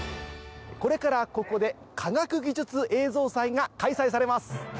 これからここで科学技術映像祭が開催されます。